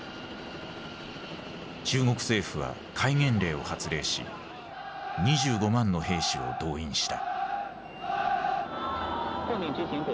中国政府は戒厳令を発令し２５万の兵士を動員した。